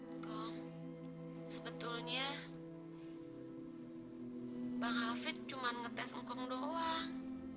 engkau sebetulnya bang hafid cuma ngetes engkau doang